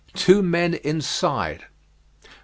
TWO MEN INSIDE. "Dr.